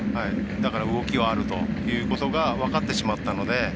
だから、動きがあるということが分かってしまったので。